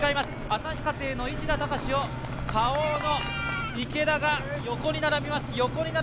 旭化成の市田孝をＫａｏの池田が横に並びます。